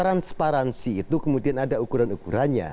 transparansi itu kemudian ada ukuran ukurannya